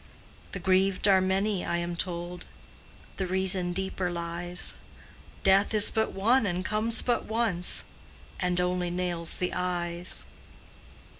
The grieved are many, I am told; The reason deeper lies, Death is but one and comes but once, And only nails the eyes.